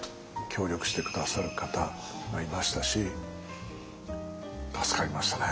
協力して下さる方がいましたし助かりましたね。